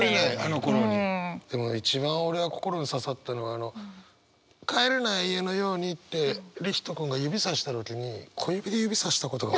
でも一番俺が心に刺さったのが「帰れない家のように」って李光人君が指さした時に小指で指さしたことが。